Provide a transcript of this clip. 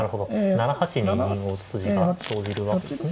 ７八に銀を打つ筋が生じるわけですね。